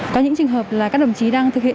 có những trường hợp là các đồng chí đang thực hiện